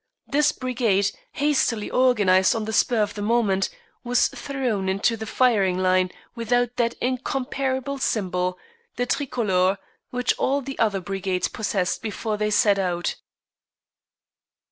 This Brigade, hastily organised on the spur of the moment, was thrown into the firing line without that incomparable symbol, the tricolour, which all the other brigades possessed before they set out.